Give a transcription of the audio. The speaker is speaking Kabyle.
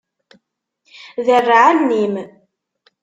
Derreɛ allen-im.